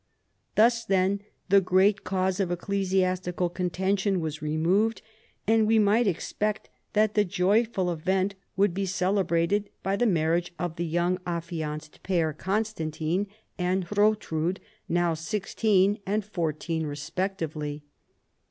Thus, then, the great cause of ecclesiastical con tention was removed, and we might expect that the joyful event would be celebrated by the mar riage of the young affianced pair, Constantino and 228 CHARLEMAGNE. Hrotrud, now aged sixteen and fourteen respec tively.